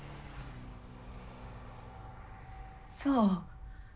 そう。